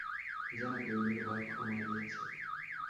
যেন কেউ দুর্ভাগ্য মাড়িয়েছে।